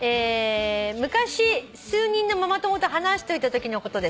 「昔数人のママ友と話していたときのことです」